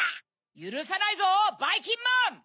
ゆるさないぞばいきんまん！